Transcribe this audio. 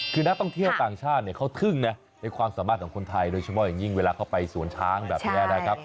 คือนักท่องเที่ยวต่างชาติเนี่ยเขาทึ่งนะในความสามารถของคนไทยโดยเฉพาะอย่างยิ่งเวลาเขาไปสวนช้างแบบนี้นะครับ